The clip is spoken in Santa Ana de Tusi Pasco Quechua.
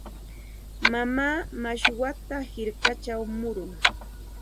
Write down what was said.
Mamaa mashwata hirkachaw murun.